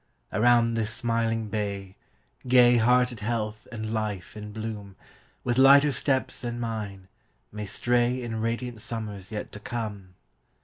around this smiling bayGay hearted Health, and Life in bloom, With lighter steps than mine, may strayIn radiant summers yet to come.